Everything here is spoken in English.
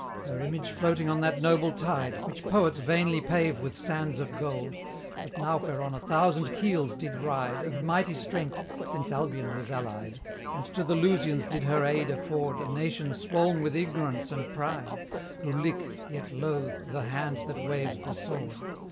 Her image floating on that noble tide, Which poets vainly pave with sands of gold, But now whereon a thousand keels did ride Of mighty strength, since Albion was allied, And to the Lusians did her aid afford A nation swoll'n with ignorance and pride, Who lick, yet loathe, the hand that waves the sword.